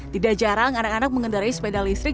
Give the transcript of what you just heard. tidak jarang anak anak mengendarai sepeda listrik